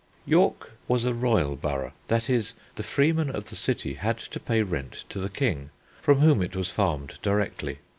York was a royal borough, that is, the freemen of the city had to pay rent to the king, from whom it was farmed directly.